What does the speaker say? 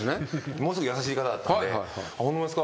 ものすごく優しい方だったんでホンマですか？